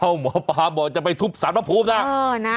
เอาหมอป่าเดี๋ยวหมอจะไปทุบสารับภูมิแล้ว